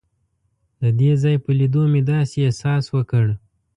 د دې ځای په لیدو مې داسې احساس وکړ.